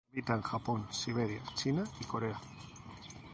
Habita en Japón, Siberia, China y Corea.